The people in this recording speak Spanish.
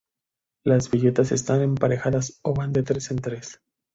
Las bellotas están emparejadas o van de tres en tres.